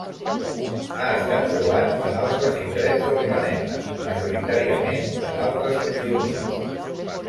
Ha estat trobat en altres indrets del planeta, majoritàriament en altres meteorits.